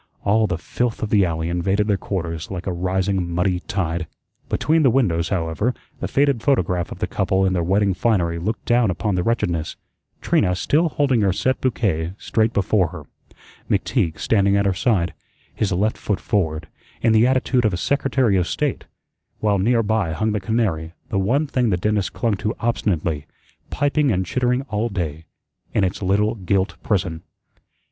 All the filth of the alley invaded their quarters like a rising muddy tide. Between the windows, however, the faded photograph of the couple in their wedding finery looked down upon the wretchedness, Trina still holding her set bouquet straight before her, McTeague standing at her side, his left foot forward, in the attitude of a Secretary of State; while near by hung the canary, the one thing the dentist clung to obstinately, piping and chittering all day in its little gilt prison.